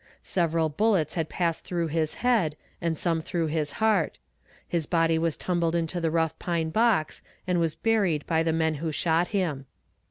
Several bullets had passed through his head, and some through his heart. His body was tumbled into the rough pine box, and was buried by the men who shot him."